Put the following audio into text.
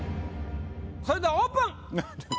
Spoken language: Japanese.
それではオープン！